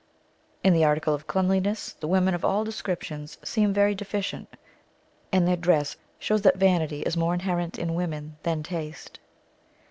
In the article of cleanliness, the women of all descriptions seem very deficient; and their dress shows that vanity is more inherent in women than taste.